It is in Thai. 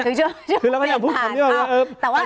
คือคือพี่อยากพูดคำนี้ว่าเอ่อแต่ว่า